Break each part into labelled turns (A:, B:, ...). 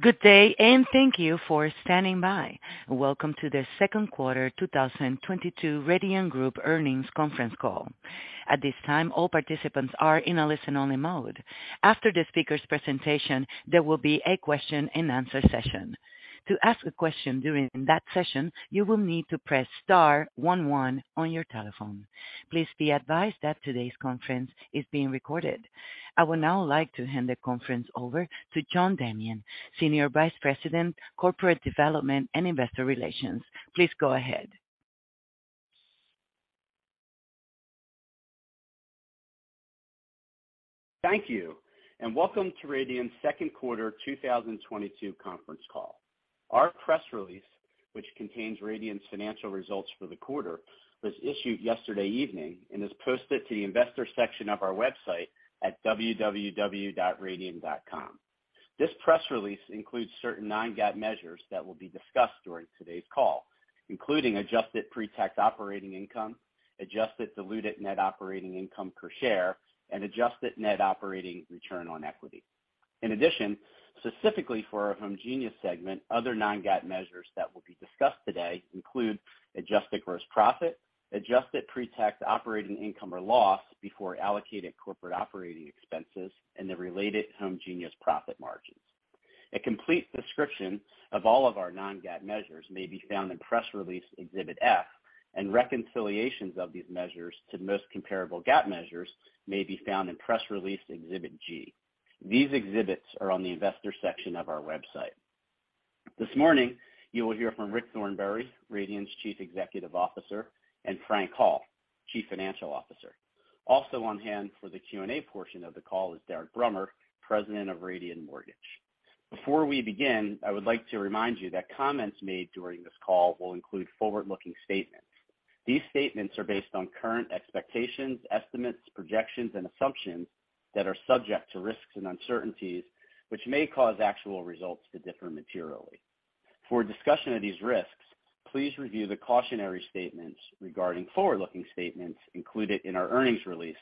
A: Good day, and thank you for standing by. Welcome to the second quarter 2022 Radian Group earnings conference call. At this time, all participants are in a listen-only mode. After the speaker's presentation, there will be a question-and-answer session. To ask a question during that session, you will need to press star one one on your telephone. Please be advised that today's conference is being recorded. I would now like to hand the conference over to John Damian, Senior Vice President, Corporate Development and Investor Relations. Please go ahead.
B: Thank you, and welcome to Radian's second quarter 2022 conference call. Our press release, which contains Radian's financial results for the quarter, was issued yesterday evening and is posted to the Investors section of our website at www.radian.com. This press release includes certain non-GAAP measures that will be discussed during today's call, including adjusted pre-tax operating income, adjusted diluted net operating income per share, and adjusted net operating return on equity. In addition, specifically for our homegenius segment, other non-GAAP measures that will be discussed today include adjusted gross profit, adjusted pre-tax operating income or loss before allocated corporate operating expenses and the related homegenius profit margins. A complete description of all of our non-GAAP measures may be found in press release Exhibit F, and reconciliations of these measures to the most comparable GAAP measures may be found in press release Exhibit G. These exhibits are on the Investors section of our website. This morning, you will hear from Rick Thornberry, Radian's Chief Executive Officer, and Frank Hall, Chief Financial Officer. Also on hand for the Q&A portion of the call is Derek Brummer, President of Radian Mortgage. Before we begin, I would like to remind you that comments made during this call will include forward-looking statements. These statements are based on current expectations, estimates, projections, and assumptions that are subject to risks and uncertainties, which may cause actual results to differ materially. For a discussion of these risks, please review the cautionary statements regarding forward-looking statements included in our earnings release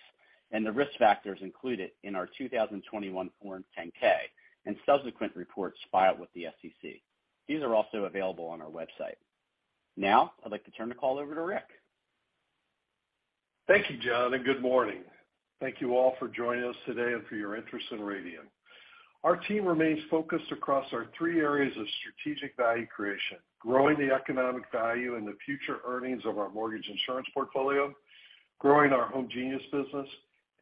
B: and the risk factors included in our 2021 Form 10-K and subsequent reports filed with the SEC. These are also available on our website. Now, I'd like to turn the call over to Rick.
C: Thank you, John, and good morning. Thank you all for joining us today and for your interest in Radian. Our team remains focused across our three areas of strategic value creation, growing the economic value and the future earnings of our mortgage insurance portfolio, growing our homegenius business,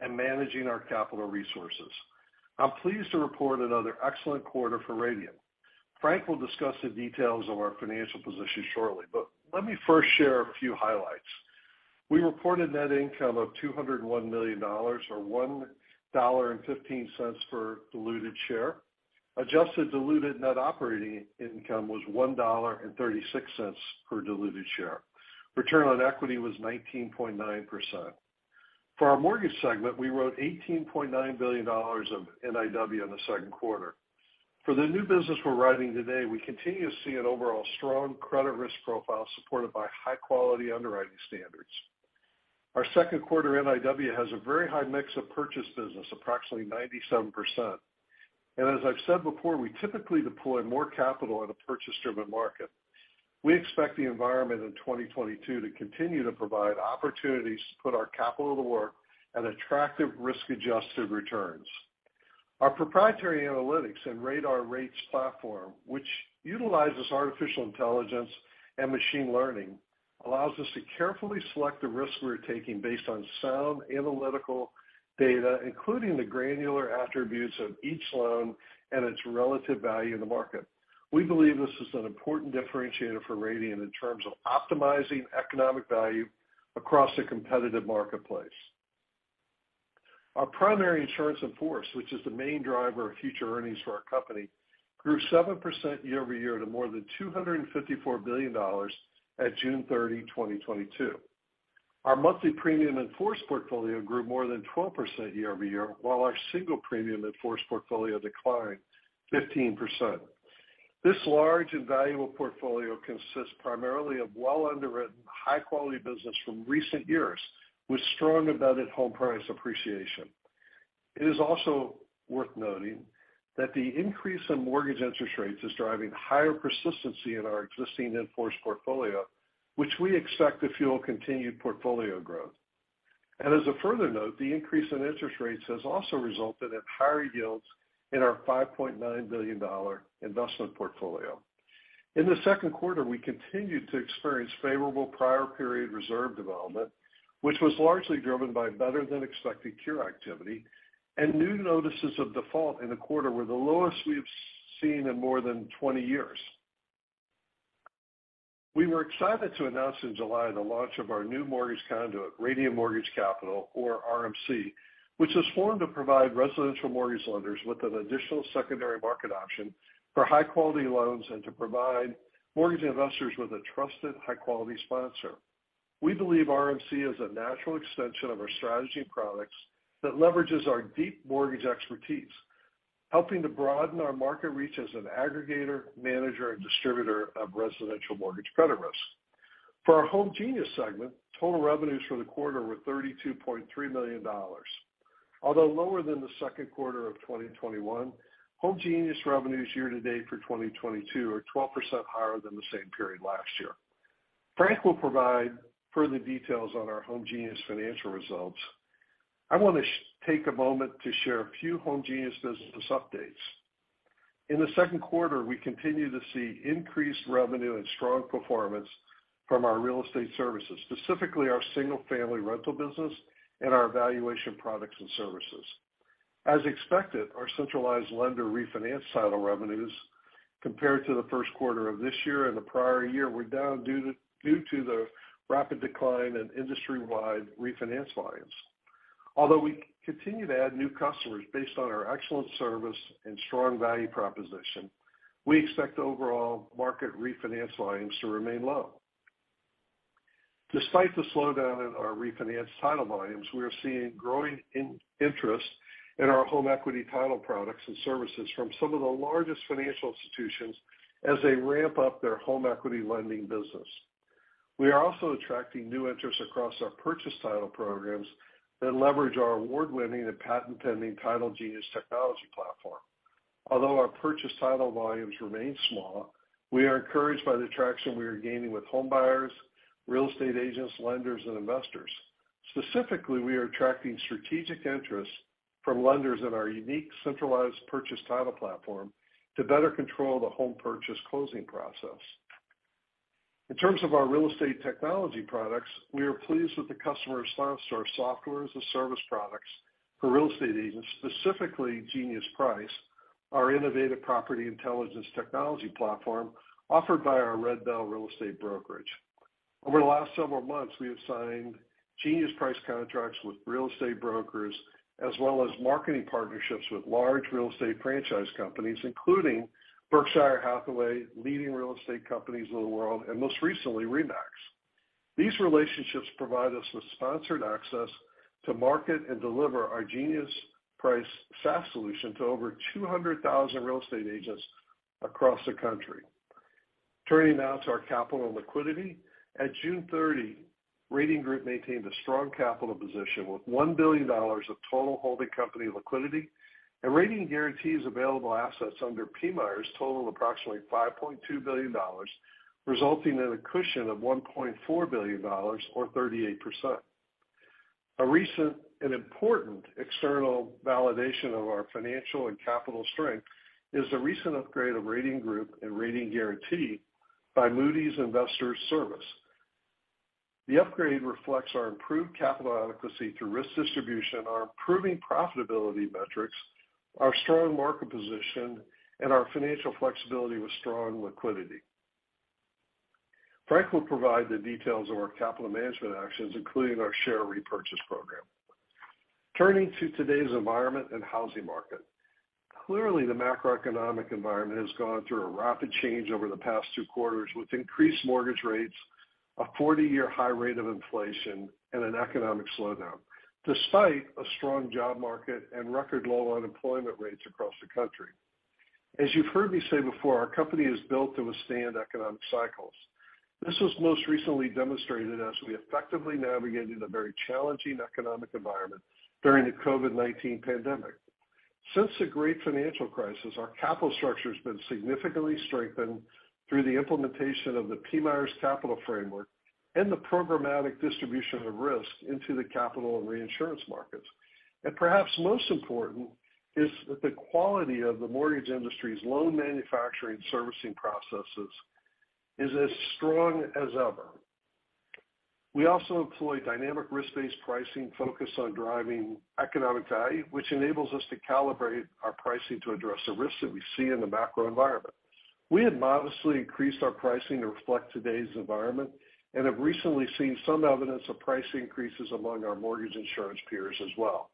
C: and managing our capital resources. I'm pleased to report another excellent quarter for Radian. Frank will discuss the details of our financial position shortly, but let me first share a few highlights. We reported net income of $201 million or $1.15 per diluted share. Adjusted diluted net operating income was $1.36 per diluted share. Return on equity was 19.9%. For our mortgage segment, we wrote $18.9 billion of NIW in the second quarter. For the new business we're writing today, we continue to see an overall strong credit risk profile supported by high-quality underwriting standards. Our second quarter NIW has a very high mix of purchase business, approximately 97%. As I've said before, we typically deploy more capital in a purchase-driven market. We expect the environment in 2022 to continue to provide opportunities to put our capital to work at attractive risk-adjusted returns. Our proprietary analytics and RADAR Rates platform, which utilizes artificial intelligence and machine learning, allows us to carefully select the risks we are taking based on sound analytical data, including the granular attributes of each loan and its relative value in the market. We believe this is an important differentiator for Radian in terms of optimizing economic value across a competitive marketplace. Our primary insurance in force, which is the main driver of future earnings for our company, grew 7% year-over-year to more than $254 billion at June 30, 2022. Our monthly premium in force portfolio grew more than 12% year-over-year, while our single premium in force portfolio declined 15%. This large and valuable portfolio consists primarily of well-underwritten, high-quality business from recent years, with strong embedded home price appreciation. It is also worth noting that the increase in mortgage interest rates is driving higher persistency in our existing in force portfolio, which we expect to fuel continued portfolio growth. As a further note, the increase in interest rates has also resulted in higher yields in our $5.9 billion investment portfolio. In the second quarter, we continued to experience favorable prior period reserve development, which was largely driven by better-than-expected cure activity, and new notices of default in the quarter were the lowest we have seen in more than 20 years. We were excited to announce in July the launch of our new mortgage conduit, Radian Mortgage Capital, or RMC, which is formed to provide residential mortgage lenders with an additional secondary market option for high-quality loans and to provide mortgage investors with a trusted, high-quality sponsor. We believe RMC is a natural extension of our strategy and products that leverages our deep mortgage expertise, helping to broaden our market reach as an aggregator, manager, and distributor of residential mortgage credit risk. For our homegenius segment, total revenues for the quarter were $32.3 million. Although lower than the second quarter of 2021, homegenius revenues year-to-date for 2022 are 12% higher than the same period last year. Frank will provide further details on our homegenius financial results. I want to take a moment to share a few homegenius business updates. In the second quarter, we continued to see increased revenue and strong performance from our real estate services, specifically our single-family rental business and our evaluation products and services. As expected, our centralized lender refinance title revenues compared to the first quarter of this year and the prior year were down due to the rapid decline in industry-wide refinance volumes. Although we continue to add new customers based on our excellent service and strong value proposition, we expect overall market refinance volumes to remain low. Despite the slowdown in our refinance title volumes, we are seeing growing interest in our home equity title products and services from some of the largest financial institutions as they ramp up their home equity lending business. We are also attracting new interest across our purchase title programs that leverage our award-winning and patent-pending titlegenius technology platform. Although our purchase title volumes remain small, we are encouraged by the traction we are gaining with homebuyers, real estate agents, lenders, and investors. Specifically, we are attracting strategic interest from lenders in our unique centralized purchase title platform to better control the home purchase closing process. In terms of our real estate technology products, we are pleased with the customer response to our software-as-a-service products for real estate agents, specifically geniusprice, our innovative property intelligence technology platform offered by our Red Bell Real Estate Brokerage. Over the last several months, we have signed geniusprice contracts with real estate brokers as well as marketing partnerships with large real estate franchise companies, including Berkshire Hathaway, leading real estate companies in the world, and most recently, RE/MAX. These relationships provide us with sponsored access to market and deliver our geniusprice SaaS solution to over 200,000 real estate agents across the country. Turning now to our capital and liquidity. At June 30, Radian Group maintained a strong capital position with $1 billion of total holding company liquidity, and Radian Guaranty's available assets under PMIERs total of approximately $5.2 billion, resulting in a cushion of $1.4 billion or 38%. A recent and important external validation of our financial and capital strength is the recent upgrade of Radian Group and Radian Guaranty by Moody's Investors Service. The upgrade reflects our improved capital adequacy through risk distribution, our improving profitability metrics, our strong market position, and our financial flexibility with strong liquidity. Frank will provide the details of our capital management actions, including our share repurchase program. Turning to today's environment and housing market. Clearly, the macroeconomic environment has gone through a rapid change over the past two quarters with increased mortgage rates, a 40-year high rate of inflation, and an economic slowdown, despite a strong job market and record low unemployment rates across the country. As you've heard me say before, our company is built to withstand economic cycles. This was most recently demonstrated as we effectively navigated a very challenging economic environment during the COVID-19 pandemic. Since the great financial crisis, our capital structure has been significantly strengthened through the implementation of the PMIERs' capital framework and the programmatic distribution of risk into the capital and reinsurance markets. Perhaps most important is that the quality of the mortgage industry's loan manufacturing servicing processes is as strong as ever. We also employ dynamic risk-based pricing focused on driving economic value, which enables us to calibrate our pricing to address the risks that we see in the macro environment. We have modestly increased our pricing to reflect today's environment and have recently seen some evidence of price increases among our mortgage insurance peers as well.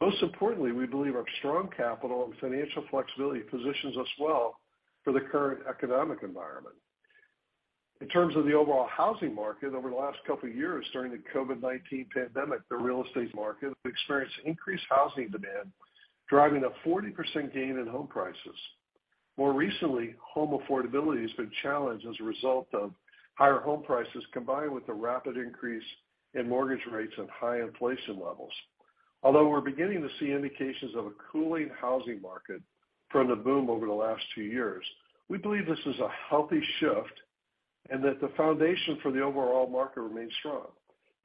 C: Most importantly, we believe our strong capital and financial flexibility positions us well for the current economic environment. In terms of the overall housing market, over the last couple years during the COVID-19 pandemic, the real estate market experienced increased housing demand, driving a 40% gain in home prices. More recently, home affordability has been challenged as a result of higher home prices combined with the rapid increase in mortgage rates and high inflation levels. Although we're beginning to see indications of a cooling housing market from the boom over the last two years, we believe this is a healthy shift and that the foundation for the overall market remains strong.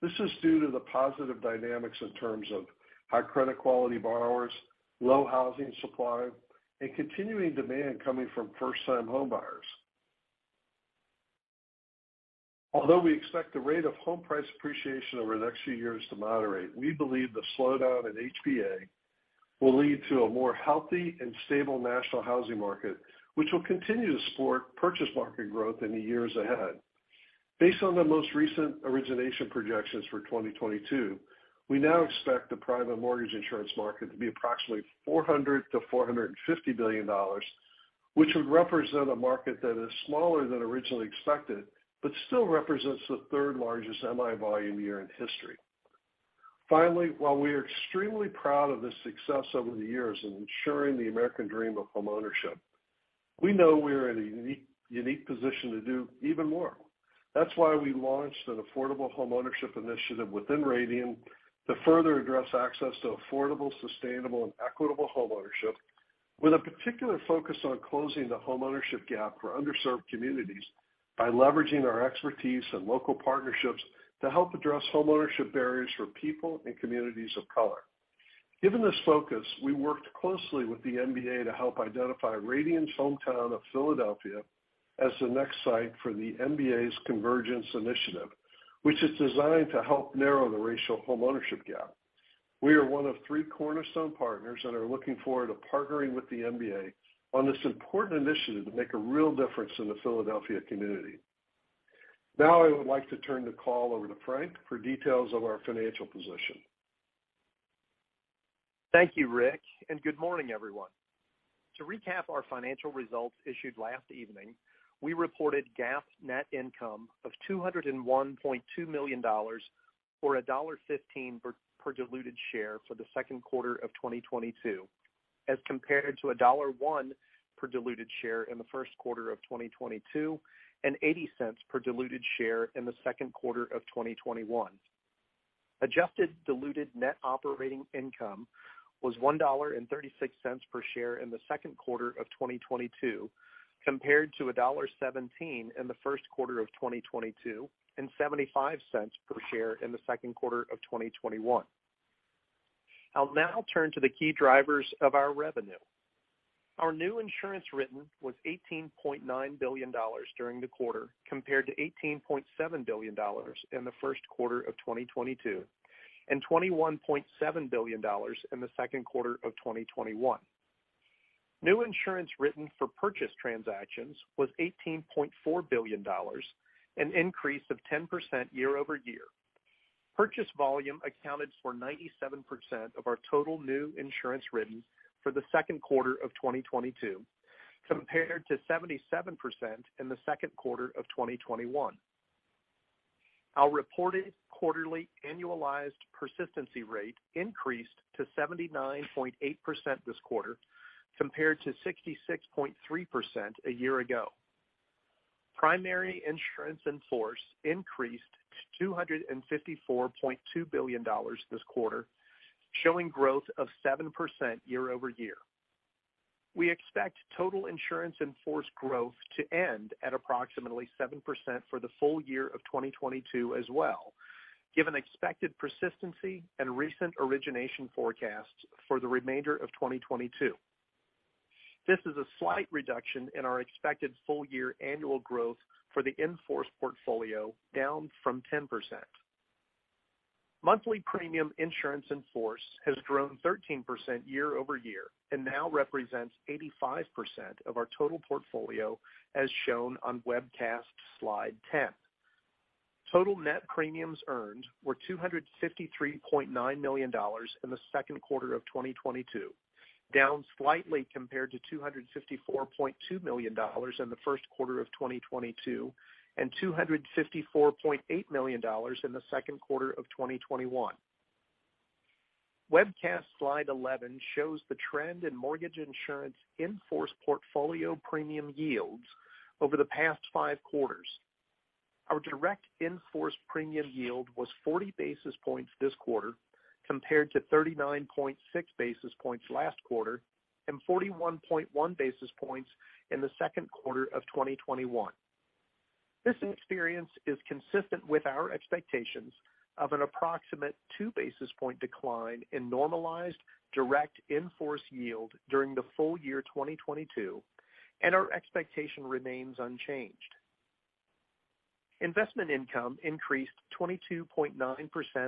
C: This is due to the positive dynamics in terms of high credit quality borrowers, low housing supply, and continuing demand coming from first-time homebuyers. Although we expect the rate of home price appreciation over the next few years to moderate, we believe the slowdown in HPA will lead to a more healthy and stable national housing market, which will continue to support purchase market growth in the years ahead. Based on the most recent origination projections for 2022, we now expect the private mortgage insurance market to be approximately $400 billion-$450 billion, which would represent a market that is smaller than originally expected, but still represents the third-largest MI volume year in history. Finally, while we are extremely proud of this success over the years in ensuring the American dream of homeownership, we know we are in a unique position to do even more. That's why we launched an affordable homeownership initiative within Radian to further address access to affordable, sustainable and equitable homeownership, with a particular focus on closing the homeownership gap for underserved communities by leveraging our expertise and local partnerships to help address homeownership barriers for people and communities of color. Given this focus, we worked closely with the MBA to help identify Radian's hometown of Philadelphia as the next site for the MBA's Convergence Initiative, which is designed to help narrow the racial homeownership gap. We are one of three cornerstone partners and are looking forward to partnering with the MBA on this important initiative to make a real difference in the Philadelphia community. Now I would like to turn the call over to Frank for details of our financial position.
D: Thank you, Rick, and good morning, everyone. To recap our financial results issued last evening, we reported GAAP net income of $201.2 million, or $1.15 per diluted share for the second quarter of 2022, as compared to $1.01 per diluted share in the first quarter of 2022 and $0.80 per diluted share in the second quarter of 2021. Adjusted diluted net operating income was $1.36 per share in the second quarter of 2022, compared to $1.17 in the first quarter of 2022 and $0.75 cents per share in the second quarter of 2021. I'll now turn to the key drivers of our revenue. Our new insurance written was $18.9 billion during the quarter, compared to $18.7 billion in the first quarter of 2022 and $21.7 billion in the second quarter of 2021. New insurance written for purchase transactions was $18.4 billion, an increase of 10% year-over-year. Purchase volume accounted for 97% of our total new insurance written for the second quarter of 2022, compared to 77% in the second quarter of 2021. Our reported quarterly annualized persistency rate increased to 79.8% this quarter compared to 66.3% a year ago. Primary insurance in force increased to $254.2 billion this quarter, showing growth of 7% year-over-year. We expect total insurance in force growth to end at approximately 7% for the full year of 2022 as well, given expected persistency and recent origination forecasts for the remainder of 2022. This is a slight reduction in our expected full-year annual growth for the in force portfolio, down from 10%. Monthly premium insurance in force has grown 13% year over year and now represents 85% of our total portfolio, as shown on webcast slide 10. Total net premiums earned were $253.9 million in the second quarter of 2022, down slightly compared to $254.2 million in the first quarter of 2022 and $254.8 million in the second quarter of 2021. Webcast slide 11 shows the trend in mortgage insurance in force portfolio premium yields over the past five quarters. Our direct in-force premium yield was 40 basis points this quarter compared to 39.6 basis points last quarter and 41.1 basis points in the second quarter of 2021. This experience is consistent with our expectations of an approximate 2 basis point decline in normalized direct in-force yield during the full year 2022, and our expectation remains unchanged. Investment income increased 22.9%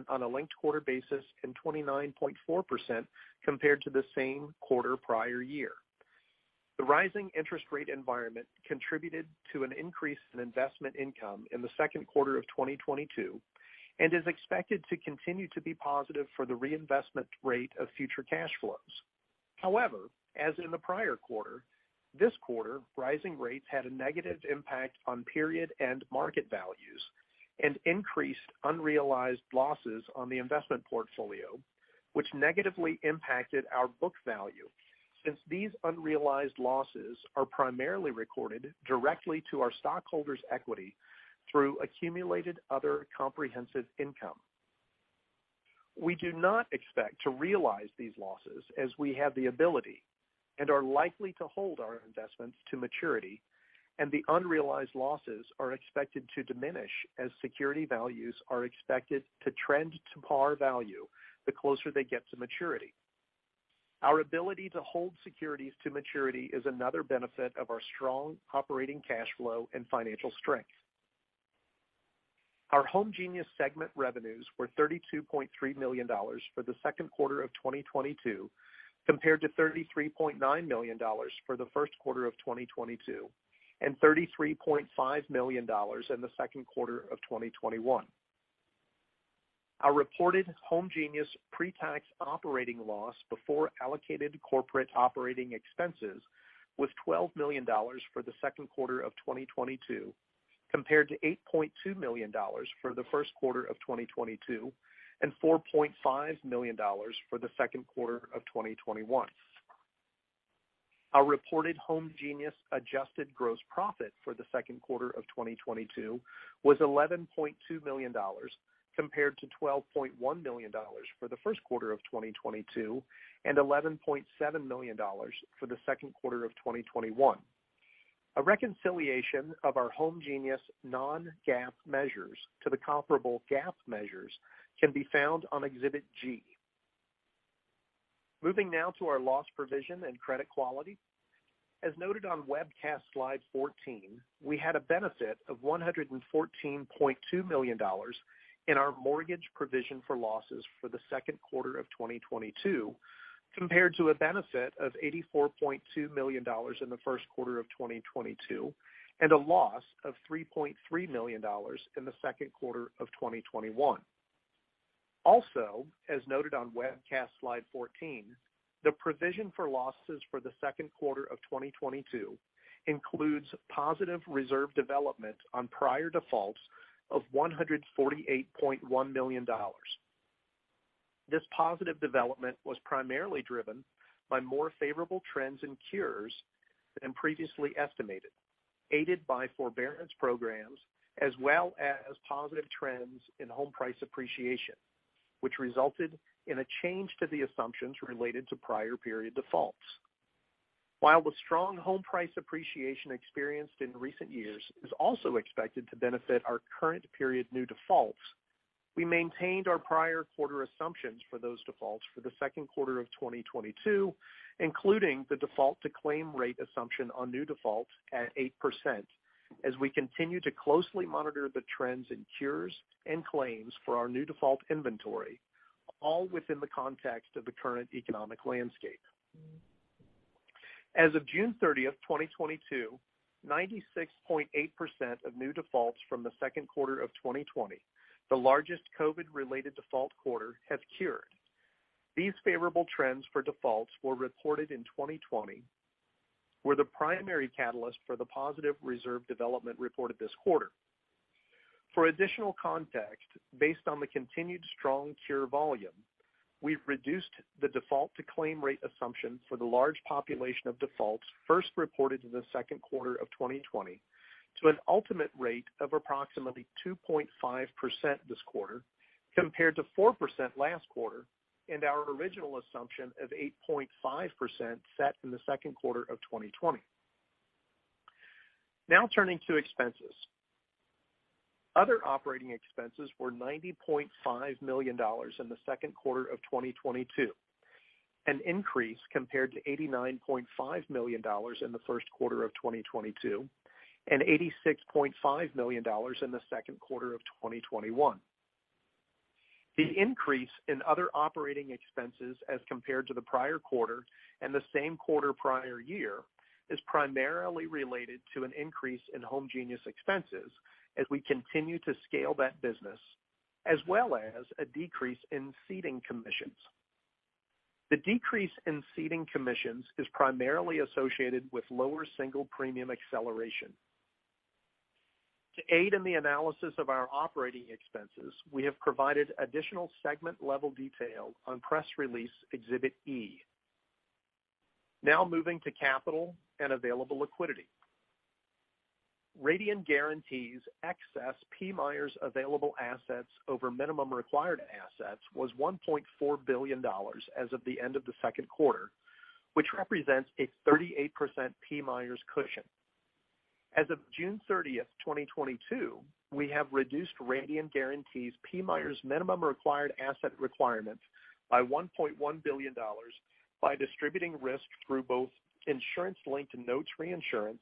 D: on a linked-quarter basis and 29.4% compared to the same quarter prior year. The rising interest rate environment contributed to an increase in investment income in the second quarter of 2022 and is expected to continue to be positive for the reinvestment rate of future cash flows. However, as in the prior quarter, this quarter, rising rates had a negative impact on period-end market values and increased unrealized losses on the investment portfolio, which negatively impacted our book value since these unrealized losses are primarily recorded directly to our stockholders' equity through accumulated other comprehensive income. We do not expect to realize these losses as we have the ability and are likely to hold our investments to maturity, and the unrealized losses are expected to diminish as security values are expected to trend to par value the closer they get to maturity. Our ability to hold securities to maturity is another benefit of our strong operating cash flow and financial strength. Our Homegenius segment revenues were $32.3 million for the second quarter of 2022, compared to $33.9 million for the first quarter of 2022 and $33.5 million in the second quarter of 2021. Our reported homegenius pre-tax operating loss before allocated corporate operating expenses was $12 million for the second quarter of 2022, compared to $8.2 million for the first quarter of 2022 and $4.5 million for the second quarter of 2021. Our reported homegenius adjusted gross profit for the second quarter of 2022 was $11.2 million, compared to $12.1 million for the first quarter of 2022 and $11.7 million for the second quarter of 2021. A reconciliation of our homegenius non-GAAP measures to the comparable GAAP measures can be found on Exhibit G. Moving now to our loss provision and credit quality. As noted on webcast slide 14, we had a benefit of $114.2 million in our mortgage provision for losses for the second quarter of 2022, compared to a benefit of $84.2 million in the first quarter of 2022, and a loss of $3.3 million in the second quarter of 2021. Also, as noted on webcast slide 14, the provision for losses for the second quarter of 2022 includes positive reserve development on prior defaults of $148.1 million. This positive development was primarily driven by more favorable trends in cures than previously estimated, aided by forbearance programs as well as positive trends in home price appreciation, which resulted in a change to the assumptions related to prior period defaults. While the strong home price appreciation experienced in recent years is also expected to benefit our current period new defaults, we maintained our prior quarter assumptions for those defaults for the second quarter of 2022, including the default to claim rate assumption on new defaults at 8% as we continue to closely monitor the trends in cures and claims for our new default inventory, all within the context of the current economic landscape. As of June 30th, 2022, 96.8% of new defaults from the second quarter of 2020, the largest COVID-related default quarter, have cured. These favorable trends for defaults were reported in 2020, were the primary catalyst for the positive reserve development reported this quarter. For additional context, based on the continued strong cure volume, we've reduced the default to claim rate assumption for the large population of defaults first reported in the second quarter of 2020 to an ultimate rate of approximately 2.5% this quarter, compared to 4% last quarter and our original assumption of 8.5% set in the second quarter of 2020. Now turning to expenses. Other operating expenses were $90.5 million in the second quarter of 2022, an increase compared to $89.5 million in the first quarter of 2022 and $86.5 million in the second quarter of 2021. The increase in other operating expenses as compared to the prior quarter and the same quarter prior year is primarily related to an increase in homegenius expenses as we continue to scale that business, as well as a decrease in ceding commissions. The decrease in ceding commissions is primarily associated with lower single premium acceleration. To aid in the analysis of our operating expenses, we have provided additional segment-level detail on press release Exhibit E. Now moving to capital and available liquidity. Radian Guaranty's excess PMIERs available assets over minimum required assets was $1.4 billion as of the end of the second quarter, which represents a 38% PMIERs cushion. As of June 30, 2022, we have reduced Radian Guaranty's PMIERs minimum required asset requirements by $1.1 billion by distributing risk through both insurance-linked notes reinsurance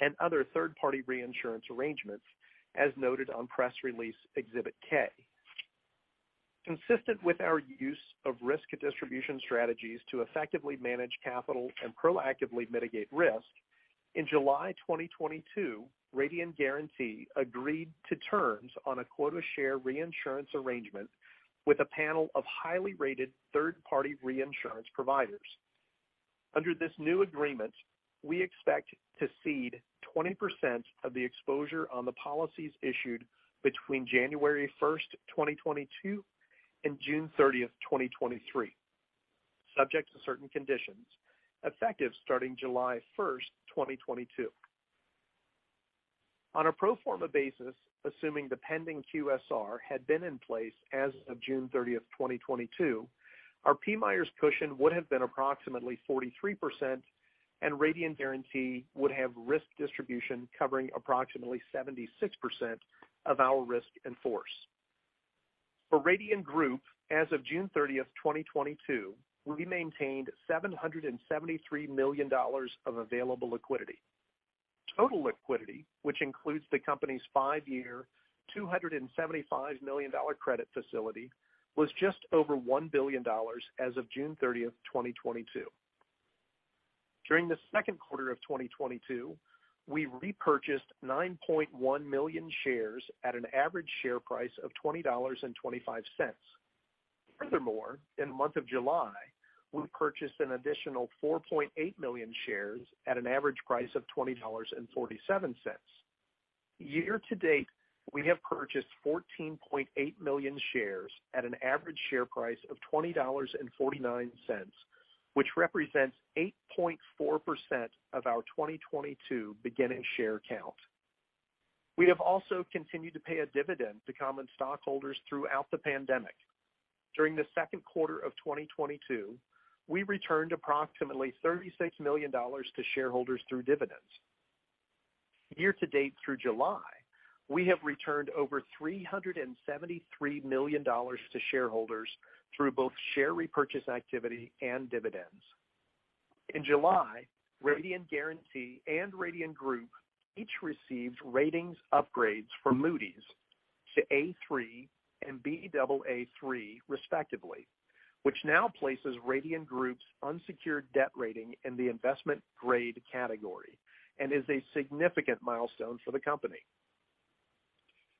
D: and other third-party reinsurance arrangements, as noted on press release Exhibit K. Consistent with our use of risk distribution strategies to effectively manage capital and proactively mitigate risk, in July 2022, Radian Guaranty agreed to terms on a quota share reinsurance arrangement with a panel of highly rated third-party reinsurance providers. Under this new agreement, we expect to cede 20% of the exposure on the policies issued between January 1st, 2022 and June 30th, 2023, subject to certain conditions, effective starting July 1st, 2022. On a pro forma basis, assuming the pending QSR had been in place as of June 30th, 2022, our PMIERs cushion would have been approximately 43%, and Radian Guaranty would have risk distribution covering approximately 76% of our risk in force. For Radian Group, as of June 30th, 2022, we maintained $773 million of available liquidity. Total liquidity, which includes the company's five-year, $275 million credit facility, was just over $1 billion as of June 30th, 2022. During the second quarter of 2022, we repurchased 9.1 million shares at an average share price of $20.25. Furthermore, in the month of July, we purchased an additional 4.8 million shares at an average price of $20.47. Year-to-date, we have purchased 14.8 million shares at an average share price of $20.49, which represents 8.4% of our 2022 beginning share count. We have also continued to pay a dividend to common stockholders throughout the pandemic. During the second quarter of 2022, we returned approximately $36 million to shareholders through dividends. Year-to-date through July, we have returned over $373 million to shareholders through both share repurchase activity and dividends. In July, Radian Guaranty and Radian Group each received ratings upgrades from Moody's to A3 and Baa3 respectively, which now places Radian Group's unsecured debt rating in the investment grade category and is a significant milestone for the company.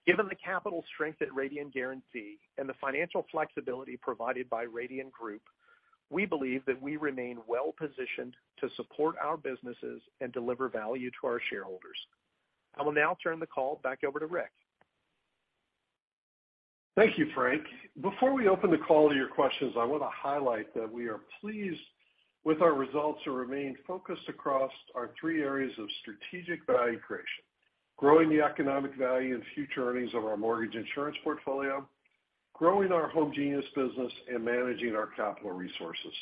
D: Given the capital strength at Radian Guaranty and the financial flexibility provided by Radian Group, we believe that we remain well positioned to support our businesses and deliver value to our shareholders. I will now turn the call back over to Rick.
C: Thank you, Frank. Before we open the call to your questions, I want to highlight that we are pleased with our results and remain focused across our three areas of strategic value creation, growing the economic value and future earnings of our mortgage insurance portfolio, growing our homegenius business, and managing our capital resources.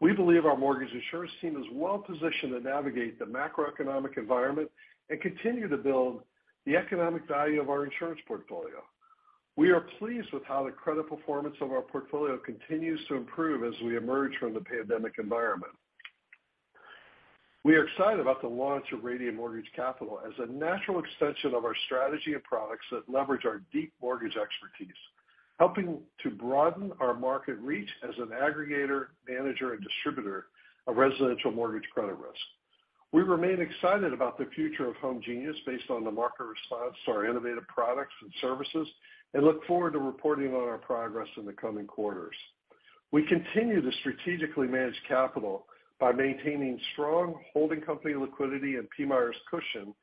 C: We believe our mortgage insurance team is well positioned to navigate the macroeconomic environment and continue to build the economic value of our insurance portfolio. We are pleased with how the credit performance of our portfolio continues to improve as we emerge from the pandemic environment. We are excited about the launch of Radian Mortgage Capital as a natural extension of our strategy of products that leverage our deep mortgage expertise, helping to broaden our market reach as an aggregator, manager, and distributor of residential mortgage credit risk. We remain excited about the future of homegenius based on the market response to our innovative products and services, and look forward to reporting on our progress in the coming quarters. We continue to strategically manage capital by maintaining strong holding company liquidity and PMIERs cushion,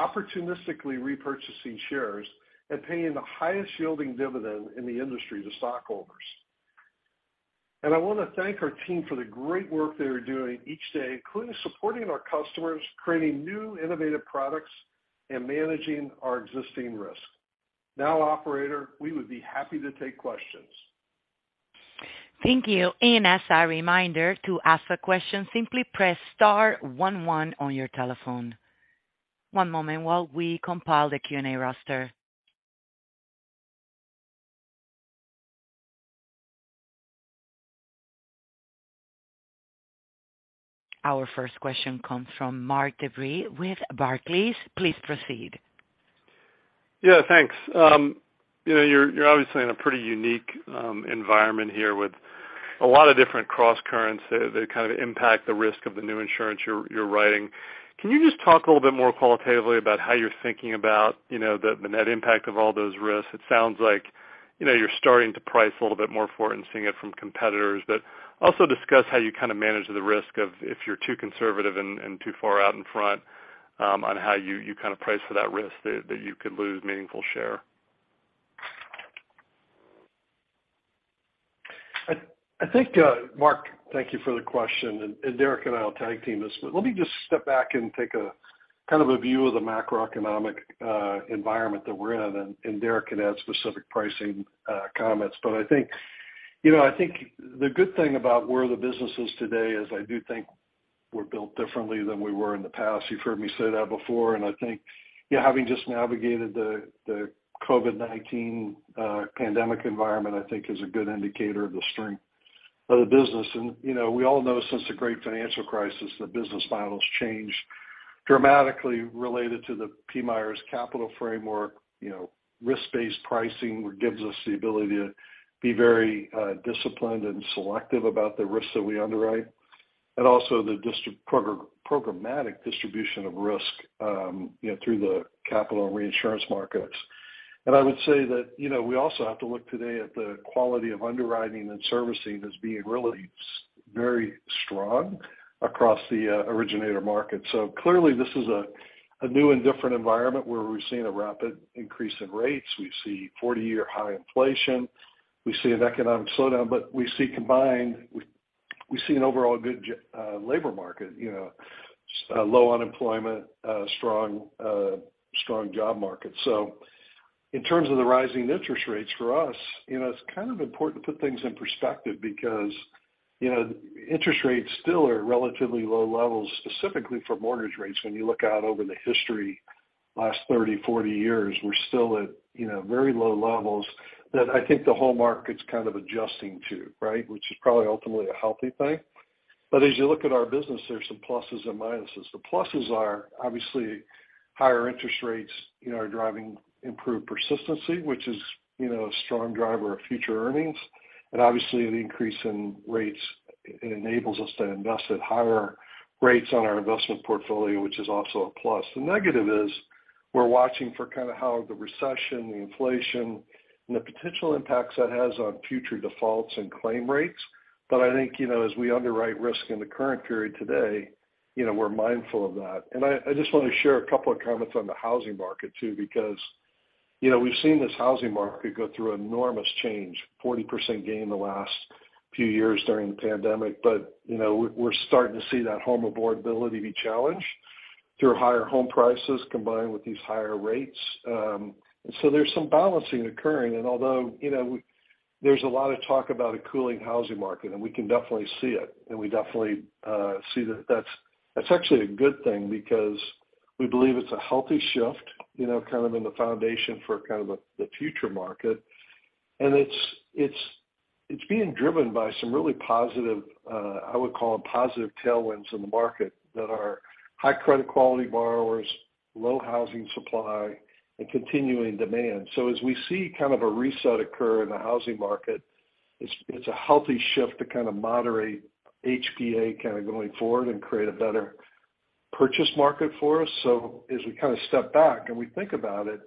C: opportunistically repurchasing shares, and paying the highest yielding dividend in the industry to stockholders. I want to thank our team for the great work they are doing each day, including supporting our customers, creating new innovative products, and managing our existing risk. Now, operator, we would be happy to take questions.
A: Thank you. As a reminder to ask a question, simply press star one one on your telephone. One moment while we compile the Q&A roster. Our first question comes from Mark DeVries with Barclays. Please proceed.
E: Yeah, thanks. You know, you're obviously in a pretty unique environment here with a lot of different crosscurrents that kind of impact the risk of the new insurance you're writing. Can you just talk a little bit more qualitatively about how you're thinking about, you know, the net impact of all those risks? It sounds like, you know, you're starting to price a little bit more for it and seeing it from competitors, but also discuss how you kind of manage the risk of if you're too conservative and too far out in front on how you kind of price for that risk that you could lose meaningful share.
C: I think, Mark, thank you for the question, and Derek and I'll tag team this. Let me just step back and take a kind of a view of the macroeconomic environment that we're in, and Derek can add specific pricing comments. I think, you know, I think the good thing about where the business is today is I do think we're built differently than we were in the past. You've heard me say that before. I think, you know, having just navigated the COVID-19 pandemic environment, I think is a good indicator of the strength of the business. You know, we all know since the great financial crisis, the business models changed dramatically related to the PMIERs capital framework. You know, risk-based pricing gives us the ability to be very, disciplined and selective about the risks that we underwrite, and also the programmatic distribution of risk, you know, through the capital and reinsurance markets. I would say that, you know, we also have to look today at the quality of underwriting and servicing as being really very strong across the, originator market. Clearly this is a new and different environment where we're seeing a rapid increase in rates. We see 40-year high inflation. We see an economic slowdown. We see combined, we see an overall good labor market, you know, low unemployment, strong job market. In terms of the rising interest rates for us, you know, it's kind of important to put things in perspective because, you know, interest rates still are at relatively low levels, specifically for mortgage rates. When you look out over the history last 30, 40 years, we're still at, you know, very low levels that I think the whole market's kind of adjusting to, right? Which is probably ultimately a healthy thing. As you look at our business, there's some pluses and minuses. The pluses are obviously higher interest rates, you know, are driving improved persistency, which is a strong driver of future earnings. Obviously the increase in rates enables us to invest at higher rates on our investment portfolio, which is also a plus. The negative is we're watching for kind of how the recession, the inflation, and the potential impacts that has on future defaults and claim rates. I think, you know, as we underwrite risk in the current period today, you know, we're mindful of that. I just wanna share a couple of comments on the housing market too, because, you know, we've seen this housing market go through enormous change, 40% gain in the last few years during the pandemic. You know, we're starting to see that home affordability be challenged through higher home prices combined with these higher rates. There's some balancing occurring. Although, you know, there's a lot of talk about a cooling housing market, and we can definitely see it, and we definitely see that that's—that's actually a good thing because we believe it's a healthy shift, you know, kind of in the foundation for kind of the future market. It's being driven by some really positive, I would call them positive tailwinds in the market that are high credit quality borrowers, low housing supply, and continuing demand. As we see kind of a reset occur in the housing market, it's a healthy shift to kind of moderate HPA kind of going forward and create a better purchase market for us. As we kinda step back and we think about it,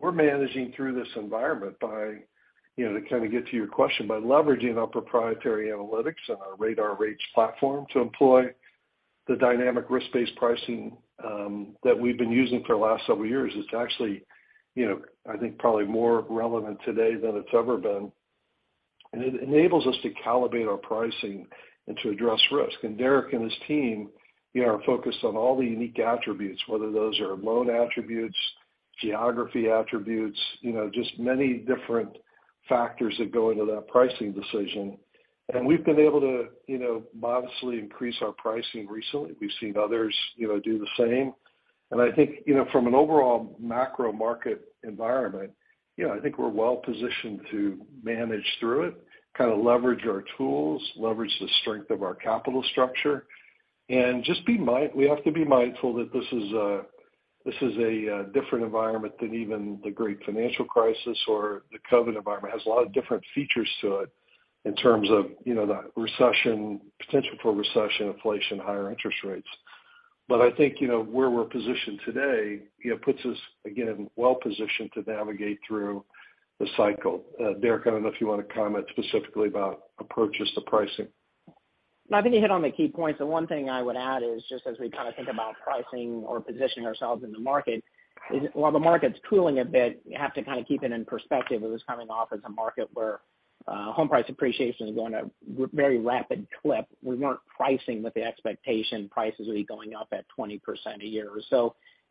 C: we're managing through this environment by, you know, to kinda get to your question, by leveraging our proprietary analytics and our RADAR Rates platform to employ the dynamic risk-based pricing that we've been using for the last several years. It's actually, you know, I think probably more relevant today than it's ever been. It enables us to calibrate our pricing and to address risk. Derek and his team, you know, are focused on all the unique attributes, whether those are loan attributes, geography attributes, you know, just many different factors that go into that pricing decision. We've been able to, you know, modestly increase our pricing recently. We've seen others, you know, do the same. I think, you know, from an overall macro market environment, you know, I think we're well-positioned to manage through it, kinda leverage our tools, leverage the strength of our capital structure, and just be mindful that this is a different environment than even the great financial crisis or the COVID environment. It has a lot of different features to it in terms of, you know, the recession, potential for recession, inflation, higher interest rates. I think, you know, where we're positioned today, you know, puts us, again, well-positioned to navigate through the cycle. Derek, I don't know if you wanna comment specifically about approaches to pricing.
F: No, I think you hit on the key points. The one thing I would add is just as we kinda think about pricing or positioning ourselves in the market, is while the market's cooling a bit, you have to kinda keep it in perspective. It was coming off as a market where home price appreciation is going at very rapid clip. We weren't pricing with the expectation prices would be going up at 20% a year.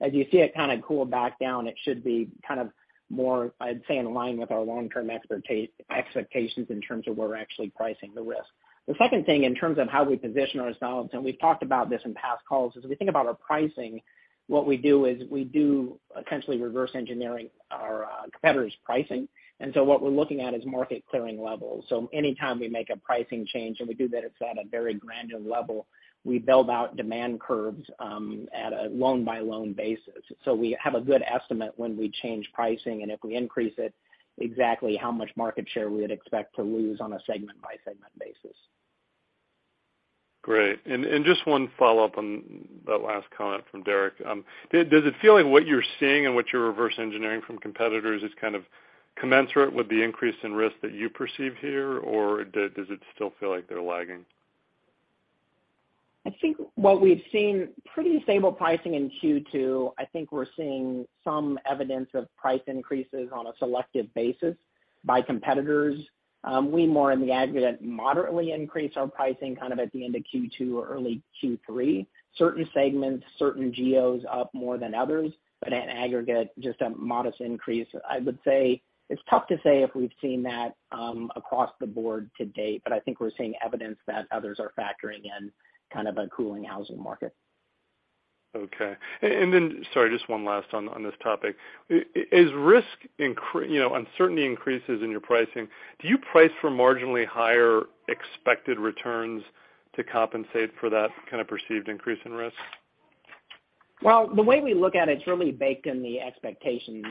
F: As you see it kinda cool back down, it should be kind of more, I'd say, in line with our long-term expectations in terms of we're actually pricing the risk. The second thing in terms of how we position ourselves, and we've talked about this in past calls, as we think about our pricing, what we do is we do essentially reverse engineering our competitors' pricing. What we're looking at is market clearing levels. Anytime we make a pricing change, and we do that, it's at a very granular level. We build out demand curves at a loan-by-loan basis. We have a good estimate when we change pricing, and if we increase it, exactly how much market share we would expect to lose on a segment-by-segment basis.
E: Great. Just one follow-up on that last comment from Derek. Does it feel like what you're seeing and what you're reverse engineering from competitors is kind of commensurate with the increase in risk that you perceive here, or does it still feel like they're lagging?
F: I think what we've seen pretty stable pricing in Q2. I think we're seeing some evidence of price increases on a selective basis by competitors. We more in the aggregate moderately increase our pricing kind of at the end of Q2 or early Q3. Certain segments, certain geos up more than others, but at aggregate, just a modest increase. I would say it's tough to say if we've seen that across the board to date, but I think we're seeing evidence that others are factoring in kind of a cooling housing market.
E: Okay. Sorry, just one last on this topic. You know, uncertainty increases in your pricing. Do you price for marginally higher expected returns to compensate for that kind of perceived increase in risk?
F: Well, the way we look at it's really baked in the expectations.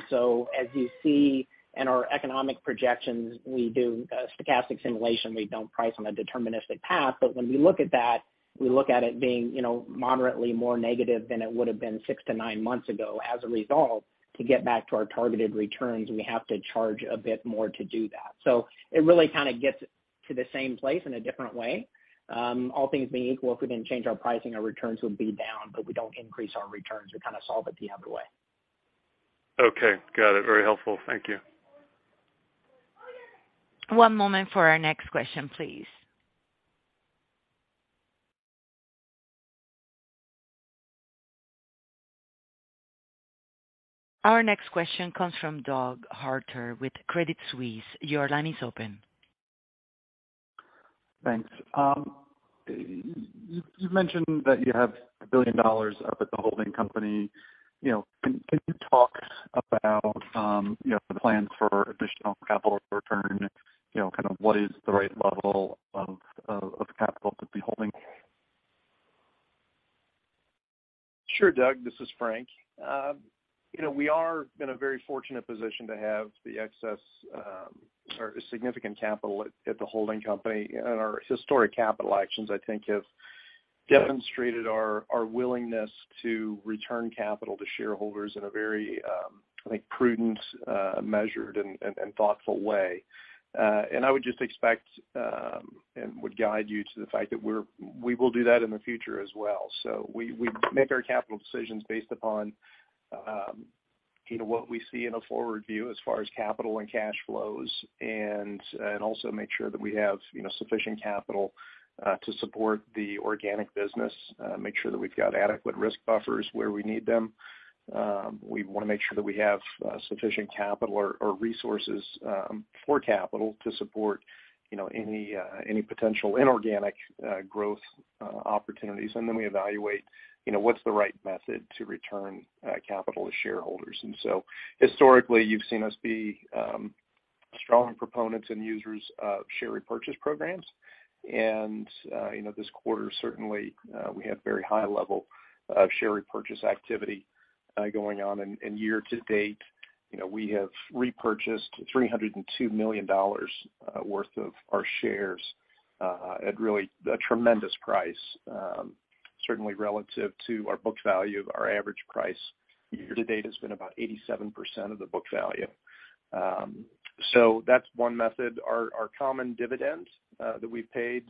F: As you see in our economic projections, we do a stochastic simulation. We don't price on a deterministic path. When we look at that, we look at it being, you know, moderately more negative than it would've been six to nine months ago as a result, to get back to our targeted returns, we have to charge a bit more to do that. It really kinda gets to the same place in a different way. All things being equal, if we didn't change our pricing, our returns would be down, but we don't increase our returns. We kinda solve it the other way.
E: Okay. Got it. Very helpful. Thank you.
A: One moment for our next question, please. Our next question comes from Doug Harter with Credit Suisse. Your line is open.
G: Thanks. You've mentioned that you have $1 billion up at the holding company. You know, can you talk about, you know, the plans for additional capital return? You know, kind of what is the right level of capital to be holding?
D: Sure, Doug, this is Frank. You know, we are. We've been in a very fortunate position to have the excess or significant capital at the holding company. Our historic capital actions, I think, have demonstrated our willingness to return capital to shareholders in a very, I think, prudent, measured and thoughtful way. I would just expect and would guide you to the fact that we will do that in the future as well. We make our capital decisions based upon, you know, what we see in a forward view as far as capital and cash flows, and also make sure that we have, you know, sufficient capital to support the organic business, make sure that we've got adequate risk buffers where we need them. We wanna make sure that we have sufficient capital or resources for capital to support, you know, any potential inorganic growth opportunities. We evaluate, you know, what's the right method to return capital to shareholders. Historically, you've seen us be strong proponents and users of share repurchase programs. You know, this quarter, certainly, we had very high level of share repurchase activity going on. Year-to-date, you know, we have repurchased $302 million worth of our shares at really a tremendous price. Certainly relative to our book value, our average price year-to-date has been about 87% of the book value. That's one method. Our common dividend that we've paid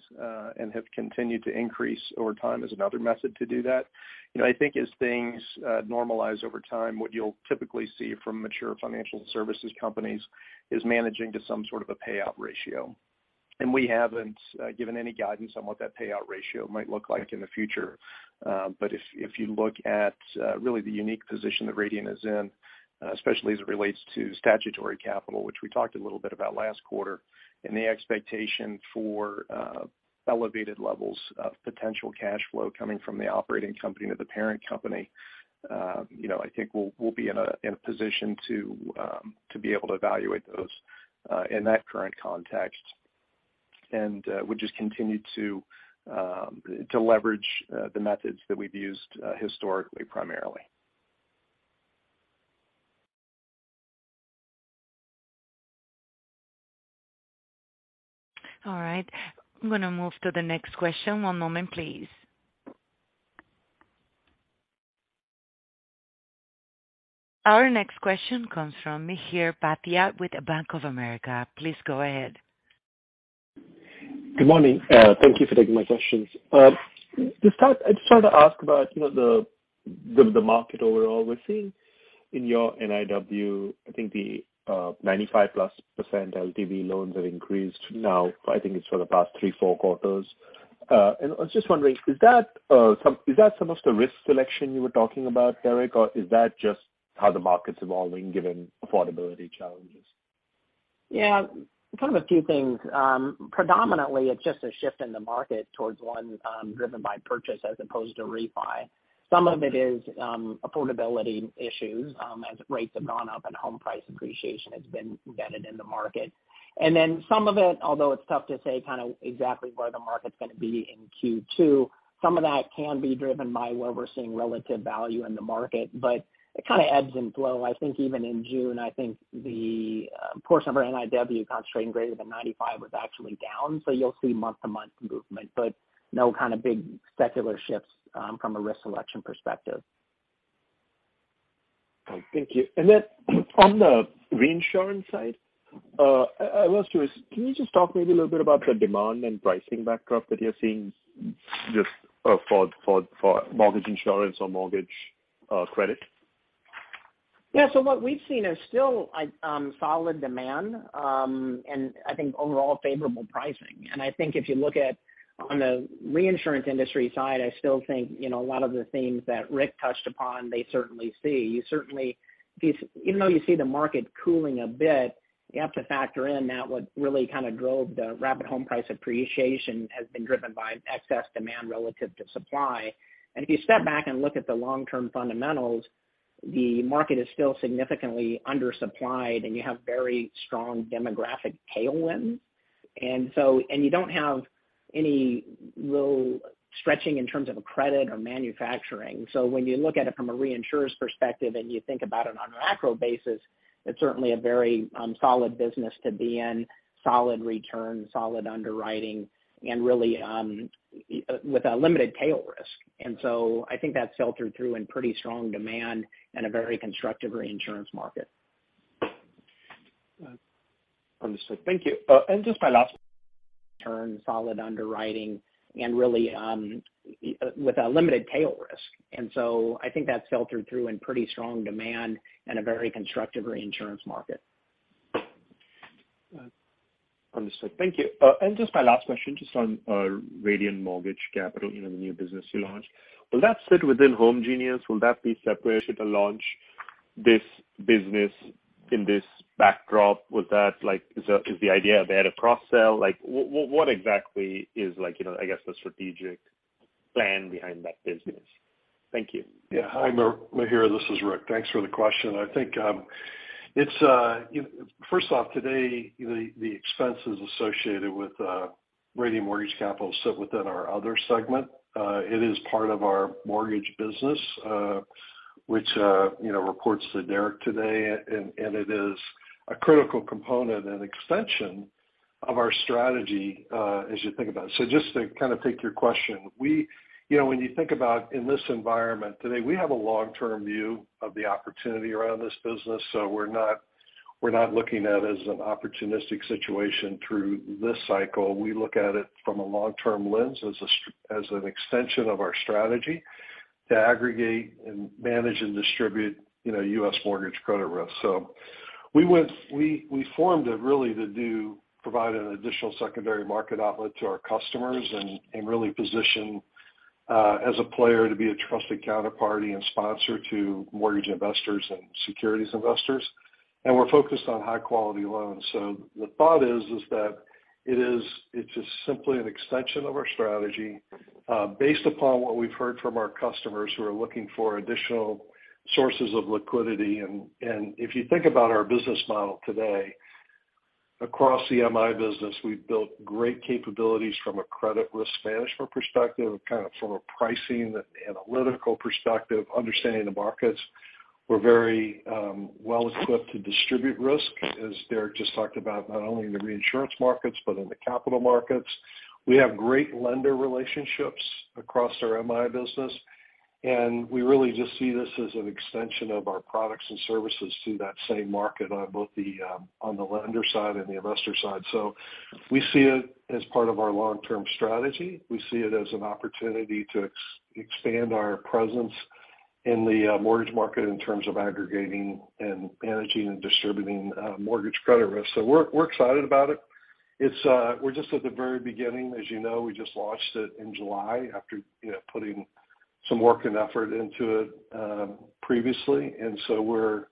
D: and have continued to increase over time is another method to do that. You know, I think as things normalize over time, what you'll typically see from mature financial services companies is managing to some sort of a payout ratio. We haven't given any guidance on what that payout ratio might look like in the future. If you look at really the unique position that Radian is in, especially as it relates to statutory capital, which we talked a little bit about last quarter, and the expectation for elevated levels of potential cash flow coming from the operating company to the parent company, you know, I think we'll be in a position to be able to evaluate those in that current context. We just continue to leverage the methods that we've used historically, primarily.
A: All right. I'm gonna move to the next question. One moment, please. Our next question comes from Mihir Bhatia with Bank of America. Please go ahead.
H: Good morning. Thank you for taking my questions. To start, I just wanted to ask about, you know, the market overall. We're seeing in your NIW, I think the 95%+ LTV loans have increased now, I think it's for the past three, four quarters. I was just wondering, is that some of the risk selection you were talking about, Derek? Or is that just how the market's evolving given affordability challenges?
F: Yeah. Kind of a few things. Predominantly it's just a shift in the market towards one, driven by purchase as opposed to refi. Some of it is, affordability issues, as rates have gone up and home price appreciation has been embedded in the market. Then some of it, although it's tough to say kind of exactly where the market's gonna be in Q2, some of that can be driven by where we're seeing relative value in the market. It kind of ebbs and flow. I think even in June, the portion of our NIW concentrating greater than 95% was actually down. You'll see month-to-month movement, but no kind of big secular shifts, from a risk selection perspective.
H: Thank you. On the reinsurance side, I was curious, can you just talk maybe a little bit about the demand and pricing backdrop that you're seeing just for mortgage insurance or mortgage credit?
F: Yeah. What we've seen is still a solid demand, and I think overall favorable pricing. I think if you look at the reinsurance industry side, I still think, you know, a lot of the themes that Rick touched upon, they certainly see. Even though you see the market cooling a bit, you have to factor in that what really kind of drove the rapid home price appreciation has been driven by excess demand relative to supply. If you step back and look at the long-term fundamentals, the market is still significantly undersupplied, and you have very strong demographic tailwinds. You don't have any real stretching in terms of a credit or manufacturing. When you look at it from a reinsurer's perspective, and you think about it on a macro basis, it's certainly a very solid business to be in, solid return, solid underwriting and really with a limited tail risk. I think that's filtered through in pretty strong demand and a very constructive reinsurance market.
H: Understood. Thank you. Just my last-
F: Return, solid underwriting and really, with a limited tail risk. I think that's filtered through in pretty strong demand and a very constructive reinsurance market.
H: Understood. Thank you. Just my last question, just on Radian Mortgage Capital, you know, the new business you launched. Will that sit within homegenius? Will that be separate? Should it launch this business in this backdrop? Was that like, is the idea there to cross-sell? Like, what exactly is like, you know, I guess the strategic plan behind that business? Thank you.
C: Yeah. Hi, Mihir. This is Rick. Thanks for the question. I think, First off, today, the expenses associated with Radian Mortgage Capital sit within our other segment. It is part of our mortgage business, which you know reports to Derek today, and it is a critical component and extension of our strategy as you think about it. Just to kind of take your question, we you know when you think about in this environment today, we have a long-term view of the opportunity around this business, so we're not looking at it as an opportunistic situation through this cycle. We look at it from a long-term lens as an extension of our strategy to aggregate and manage and distribute you know U.S. mortgage credit risk. We went—we formed it really to provide an additional secondary market outlet to our customers and really position as a player to be a trusted counterparty and sponsor to mortgage investors and securities investors. We're focused on high-quality loans. The thought is that it is just simply an extension of our strategy based upon what we've heard from our customers who are looking for additional sources of liquidity. If you think about our business model today, across the MI business, we've built great capabilities from a credit risk management perspective, kind of from a pricing and analytical perspective, understanding the markets. We're very well-equipped to distribute risk, as Derek just talked about, not only in the reinsurance markets but in the capital markets. We have great lender relationships across our MI business, and we really just see this as an extension of our products and services to that same market on both the on the lender side and the investor side. We see it as part of our long-term strategy. We see it as an opportunity to expand our presence in the mortgage market in terms of aggregating and managing and distributing mortgage credit risk. We're excited about it. It's. We're just at the very beginning. As you know, we just launched it in July after you know, putting some work and effort into it previously. We're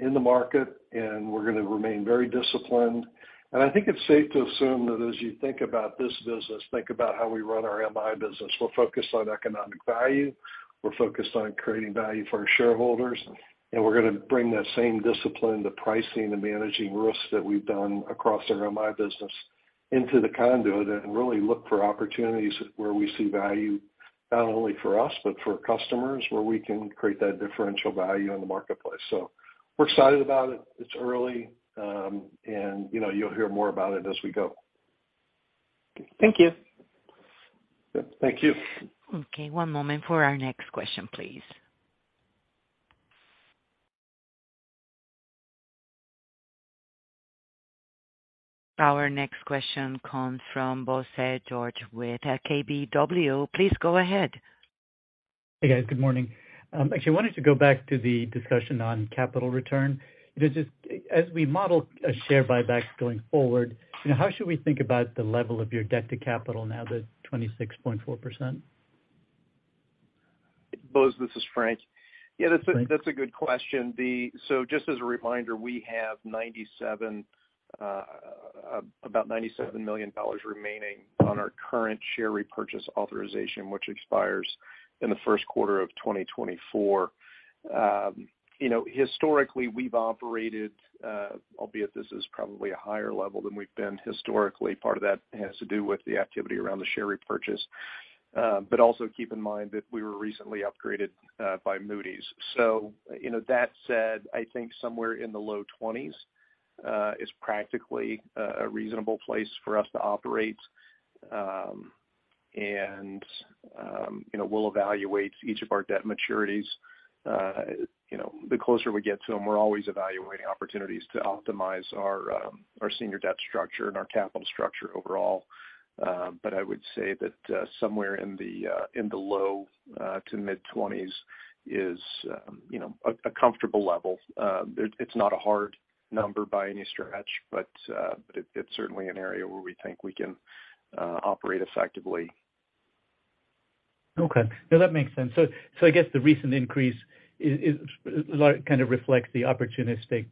C: in the market, and we're gonna remain very disciplined. I think it's safe to assume that as you think about this business, think about how we run our MI business. We're focused on economic value, we're focused on creating value for our shareholders, and we're gonna bring that same discipline to pricing and managing risks that we've done across our MI business into the conduit and really look for opportunities where we see value, not only for us, but for customers, where we can create that differential value in the marketplace. We're excited about it. It's early, and you know, you'll hear more about it as we go.
H: Thank you.
C: Yeah. Thank you.
A: Okay. One moment for our next question, please. Our next question comes from Bose George with KBW. Please go ahead.
I: Hey, guys. Good morning. Actually wanted to go back to the discussion on capital return. Just as we model a share buyback going forward, you know, how should we think about the level of your debt to capital now that it's 26.4%?
D: Bose, this is Frank. Yeah. That's a good question. Just as a reminder, we have about $97 million remaining on our current share repurchase authorization, which expires in the first quarter of 2024. You know, historically, we've operated, albeit this is probably a higher level than we've been historically. Part of that has to do with the activity around the share repurchase. Also keep in mind that we were recently upgraded by Moody's. You know, that said, I think somewhere in the low 20s is practically a reasonable place for us to operate. You know, we'll evaluate each of our debt maturities. You know, the closer we get to them, we're always evaluating opportunities to optimize our senior debt structure and our capital structure overall. I would say that somewhere in the low to mid-20s is, you know, a comfortable level. It's not a hard number by any stretch, but it's certainly an area where we think we can operate effectively.
I: Okay. No, that makes sense. I guess the recent increase is like, kind of reflects the opportunistic,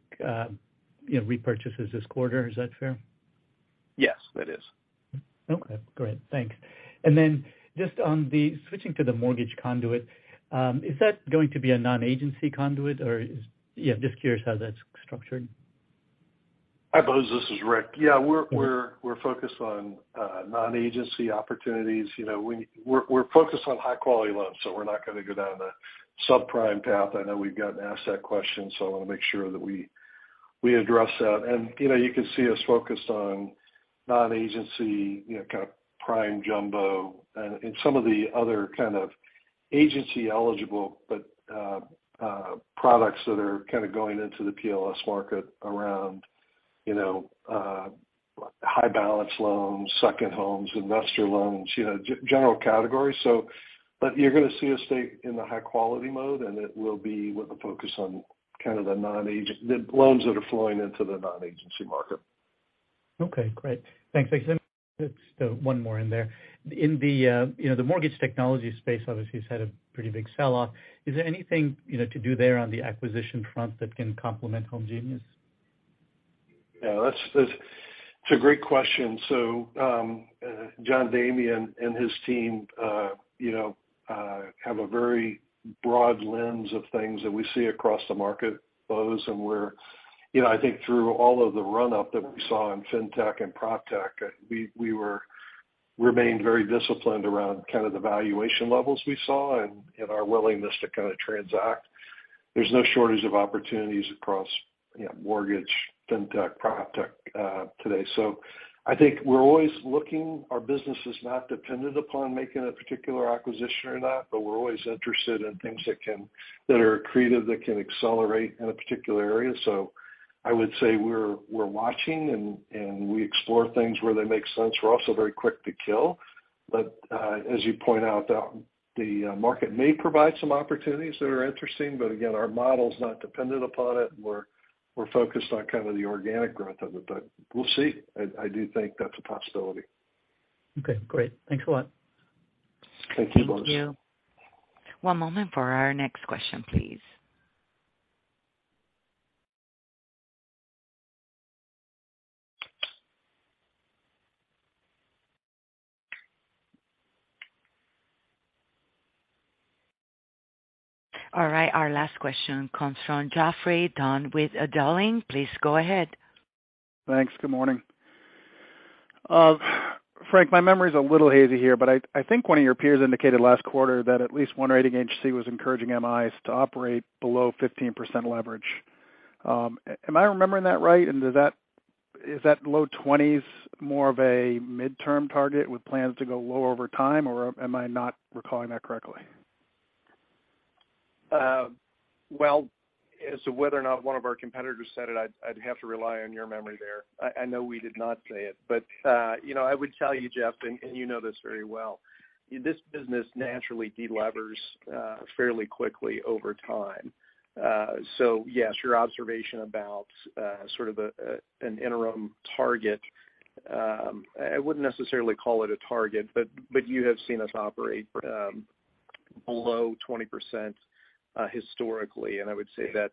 I: you know, repurchases this quarter. Is that fair?
D: Yes, it is.
I: Okay, great. Thanks. Just on the switching to the mortgage conduit, is that going to be a non-agency conduit? Yeah, just curious how that's structured.
C: Hi, Bose. This is Rick. Yeah.
I: Yeah.
C: We're focused on non-agency opportunities. You know, we're focused on high-quality loans, so we're not gonna go down the subprime path. I know we've gotten asked that question, so I wanna make sure that we address that. You know, you can see us focused on non-agency, you know, kind of prime jumbo and some of the other kind of agency-eligible but products that are kind of going into the PLS market around, you know, high-balance loans, second homes, investor loans, you know, general categories. But you're gonna see us stay in the high-quality mode, and it will be with a focus on kind of the loans that are flowing into the non-agency market.
I: Okay, great. Thanks. I just have one more in there. In the, you know, the mortgage technology space obviously has had a pretty big sell-off. Is there anything, you know, to do there on the acquisition front that can complement homegenius?
C: Yeah, that's it. It's a great question. John Damian and his team have a very broad lens of things that we see across the market, Bose. We're, you know, I think through all of the run up that we saw in Fintech and PropTech, we remained very disciplined around kind of the valuation levels we saw and our willingness to kind of transact. There's no shortage of opportunities across mortgage, Fintech, PropTech today. I think we're always looking. Our business is not dependent upon making a particular acquisition or not, but we're always interested in things that are creative, that can accelerate in a particular area. I would say we're watching and we explore things where they make sense. We're also very quick to kill. As you point out, the market may provide some opportunities that are interesting. Our model is not dependent upon it, and we're focused on kind of the organic growth of it. We'll see. I do think that's a possibility.
I: Okay, great. Thanks a lot.
C: Thank you, Bose.
A: Thank you. One moment for our next question, please. All right. Our last question comes from Geoffrey Dunn with Dowling. Please go ahead.
J: Thanks. Good morning. Frank, my memory is a little hazy here, but I think one of your peers indicated last quarter that at least one rating agency was encouraging MIs to operate below 15% leverage. Am I remembering that right? Is that low 20s% more of a midterm target with plans to go lower over time, or am I not recalling that correctly?
D: Well, as to whether or not one of our competitors said it, I'd have to rely on your memory there. I know we did not say it. You know, I would tell you, Geoff, and you know this very well, this business naturally delevers fairly quickly over time. Yes, your observation about sort of an interim target, I wouldn't necessarily call it a target, but you have seen us operate below 20% historically. I would say that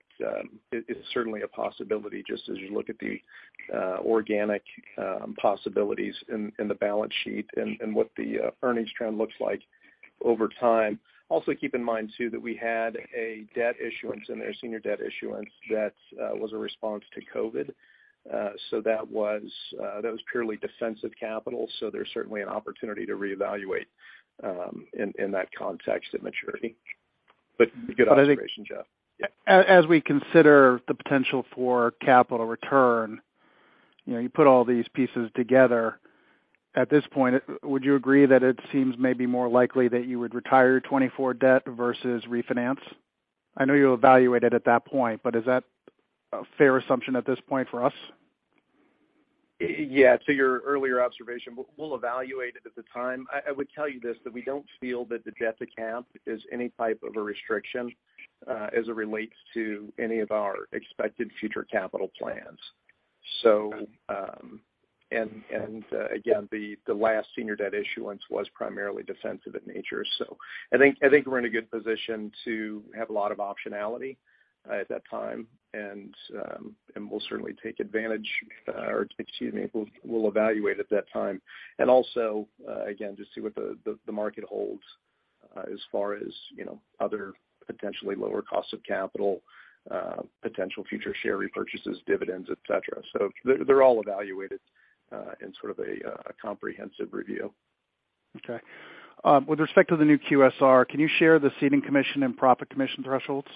D: it is certainly a possibility just as you look at the organic possibilities in the balance sheet and what the earnings trend looks like over time. Also keep in mind too that we had a debt issuance in there, senior debt issuance that was a response to COVID. That was purely defensive capital. There's certainly an opportunity to reevaluate in that context at maturity. Good observation, Geoff.
J: As we consider the potential for capital return, you know, you put all these pieces together. At this point, would you agree that it seems maybe more likely that you would retire 2024 debt versus refinance? I know you'll evaluate it at that point, but is that a fair assumption at this point for us?
D: Yeah. To your earlier observation, we'll evaluate it at the time. I would tell you this, that we don't feel that the debt-to-cap is any type of a restriction as it relates to any of our expected future capital plans. Again, the last senior debt issuance was primarily defensive in nature. I think we're in a good position to have a lot of optionality at that time. We'll certainly take advantage, or excuse me, we'll evaluate at that time. Also, just see what the market holds as far as, you know, other potentially lower costs of capital, potential future share repurchases, dividends, et cetera. They're all evaluated in sort of a comprehensive review.
J: Okay. With respect to the new QSR, can you share the ceding commission and profit commission thresholds?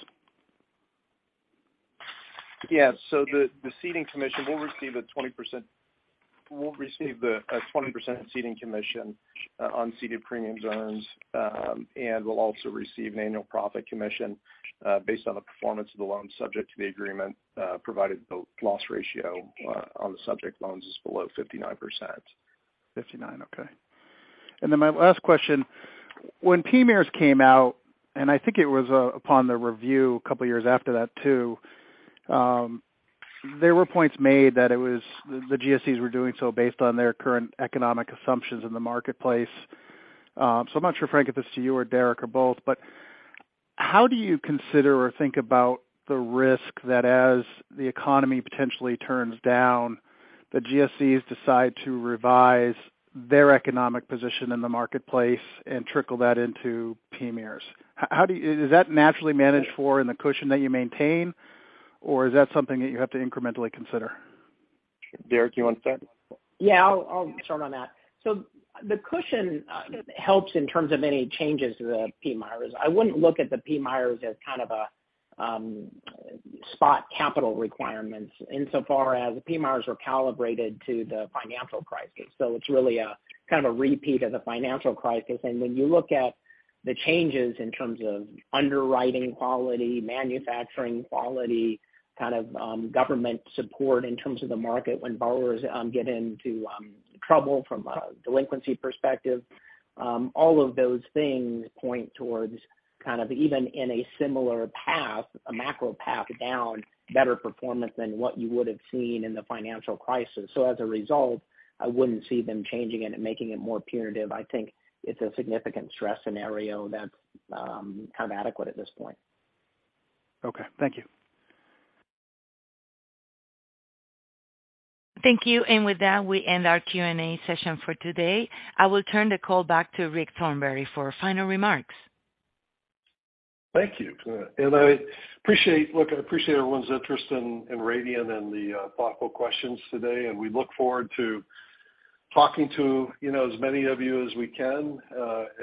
D: The ceding commission, we'll receive the 20% ceding commission on ceded premium zones. We'll also receive an annual profit commission based on the performance of the loan subject to the agreement, provided the loss ratio on the subject loans is below 59%.
J: 59%, okay. Then my last question. When PMIERs came out, and I think it was, upon the review a couple of years after that too, there were points made that the GSEs were doing so based on their current economic assumptions in the marketplace. So I'm not sure, Frank, if it's to you or Derek or both, but how do you consider or think about the risk that as the economy potentially turns down, the GSEs decide to revise their economic position in the marketplace and trickle that into PMIERs? Is that naturally managed for in the cushion that you maintain, or is that something that you have to incrementally consider?
D: Derek, you want to start?
F: Yeah, I'll start on that. The cushion helps in terms of any changes to the PMIERs. I wouldn't look at the PMIERs as kind of a spot capital requirements insofar as the PMIERs are calibrated to the financial crisis. It's really a kind of a repeat of the financial crisis. When you look at the changes in terms of underwriting quality, manufacturing quality, kind of government support in terms of the market when borrowers get into trouble from a delinquency perspective, all of those things point towards kind of even in a similar path, a macro path down better performance than what you would have seen in the financial crisis. As a result, I wouldn't see them changing it and making it more punitive. I think it's a significant stress scenario that's kind of adequate at this point.
J: Okay. Thank you.
A: Thank you. With that, we end our Q&A session for today. I will turn the call back to Rick Thornberry for final remarks.
C: Thank you. I appreciate everyone's interest in Radian and the thoughtful questions today. We look forward to talking to, you know, as many of you as we can,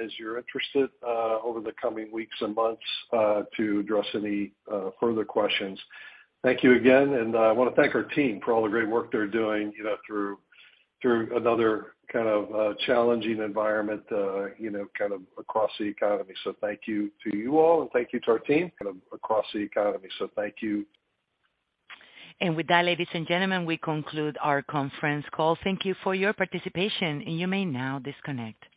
C: as you're interested, over the coming weeks and months, to address any further questions. Thank you again, and I wanna thank our team for all the great work they're doing, you know, through another kind of challenging environment, you know, kind of across the economy. Thank you to you all, and thank you to our team kind of across the economy. Thank you.
A: With that, ladies and gentlemen, we conclude our conference call. Thank you for your participation, and you may now disconnect.